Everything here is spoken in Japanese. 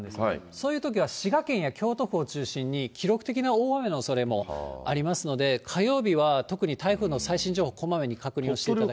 そういうときは滋賀県や京都府を中心に、記録的な大雨のおそれもありますので、火曜日は特に台風の最新情報、こまめに確認をしていただきたい。